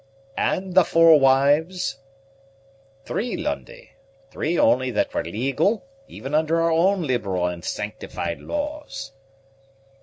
"And the four wives?" "Three, Lundie; three only that were legal, even under our own liberal and sanctified laws."